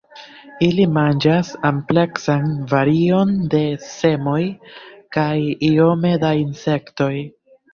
Ili manĝas ampleksan varion de semoj kaj iome da insektoj.